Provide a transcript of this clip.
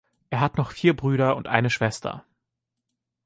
Er hat noch vier Brüder und eine Schwester.